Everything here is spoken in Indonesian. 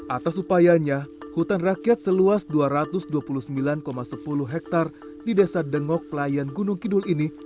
atas upayanya hutan rakyat seluas dua ratus dua puluh sembilan sepuluh hektare di desa dengok pelayan gunung kidul ini